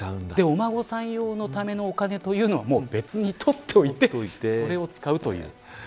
お孫さん用のためのお金は別に取っておいてそれを使うという。